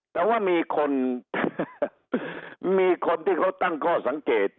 แต่ว่ามีคนมีคนที่เขาตั้งข้อสังเกต